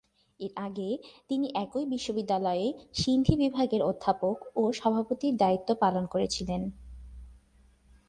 এর আগে তিনি একই বিশ্ববিদ্যালয়ে সিন্ধি বিভাগের অধ্যাপক ও সভাপতির দায়িত্ব পালন করেছিলেন।